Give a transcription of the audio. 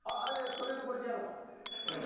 とりあえずこれでやるわ。